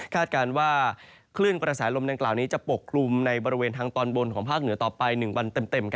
การว่าคลื่นกระแสลมดังกล่าวนี้จะปกคลุมในบริเวณทางตอนบนของภาคเหนือต่อไป๑วันเต็ม